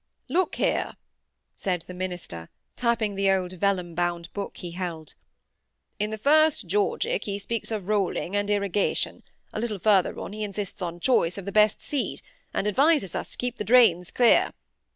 "Look here!" said the minister, tapping the old vellum bound book he held; "in the first Georgic he speaks of rolling and irrigation, a little further on he insists on choice of the best seed, and advises us to keep the drains clear.